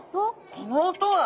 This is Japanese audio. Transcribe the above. この音は。